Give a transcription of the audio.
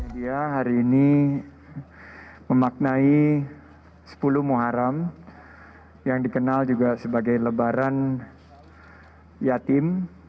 dia hari ini memaknai sepuluh muharam yang dikenal juga sebagai lebaran yatim